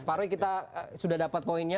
pak roy kita sudah dapat poinnya